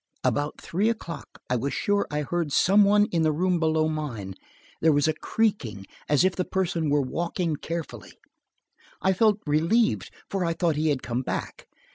About three o'clock I was sure I heard some one in the room below mine–there was a creaking as if the person were walking carefully. I felt relieved, for I thought he had come back.